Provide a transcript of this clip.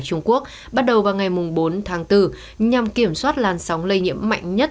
trung quốc bắt đầu vào ngày bốn tháng bốn nhằm kiểm soát làn sóng lây nhiễm mạnh nhất